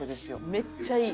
めっちゃいい。